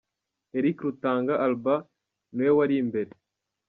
Eric Rutanga Alba ni we wari imbere.